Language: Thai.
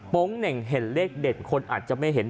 เน่งเห็นเลขเด็ดคนอาจจะไม่เห็น